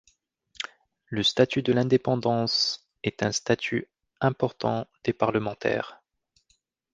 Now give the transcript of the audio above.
Le statut de l'indépendance est un statut important des Parlementaires.